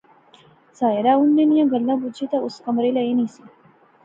ساحرہ انیں نیاں گلاں بجی تے اس کمرے لے اینی سی